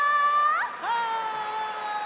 はい！